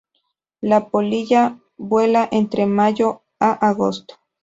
La polilla vuela entre mayo a agosto.